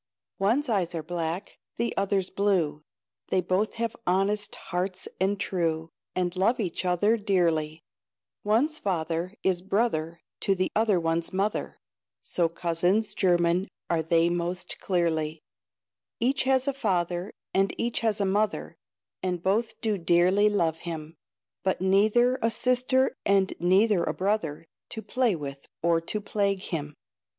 One's eyes are black, The other's blue; They both have honest hearts and true, And love each other dearly: One's father, is brother To the other one's mother, So cousins german are they most clearly; Each has a father, And each has a mother, And both do dearly love him; But neither a sister, And neither a brother, To play with, or to plague him.